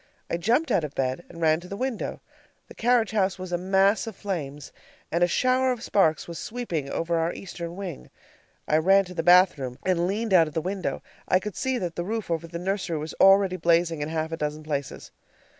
I jumped out of bed and ran to the window. The carriage house was a mass of flames, and a shower of sparks was sweeping over our eastern wing. I ran to the bathroom and leaned out of the window. I could see that the roof over the nursery was already blazing in half a dozen places.